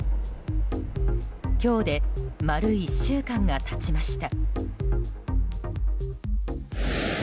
今日で、丸１週間が経ちました。